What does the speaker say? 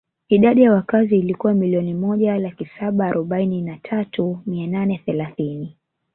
Idadi ya wakazi ilikuwa milioni moja laki saba arobaini na tatu mia nane thelathini